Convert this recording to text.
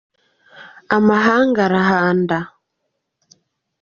amahanga arahanda.